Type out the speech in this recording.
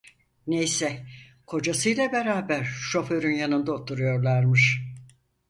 Neyse, kocasıyla beraber şoförün yanında oturuyorlarmış.